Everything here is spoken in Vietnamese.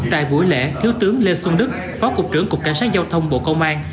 tại buổi lễ thiếu tướng lê xuân đức phó cục trưởng cục cảnh sát giao thông bộ công an